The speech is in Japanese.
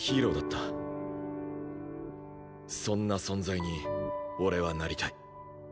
そんな存在に俺はなりたい。